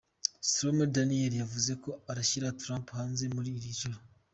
Stormy Daniels yavuze ko arashyira Trump hanze muri iri joro.